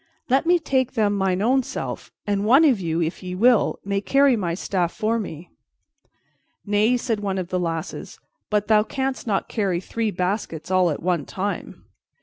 Let me take them mine own self, and one of you, if ye will, may carry my staff for me." "Nay," said one of the lasses, "but thou canst not carry three baskets all at one time."